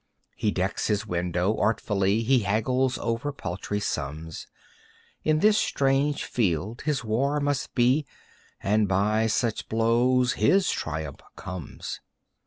He decks his window artfully, He haggles over paltry sums. In this strange field his war must be And by such blows his triumph comes.